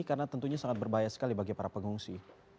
karena tentunya sangat berbahaya sekali bagi para pengungsi